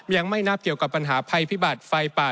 ยังไม่นับกับปัญหาไภพิบัติไฟป่า